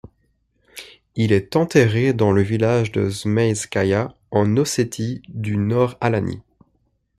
Il est enterré dans le village de Zmeïskaïa, en Ossétie du Nord-Alanie.